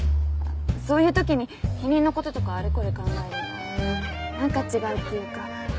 そういうときに避妊のこととかあれこれ考えるの何か違うっていうか。